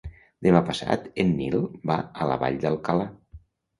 Demà passat en Nil va a la Vall d'Alcalà.